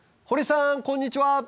堀さんこんにちは！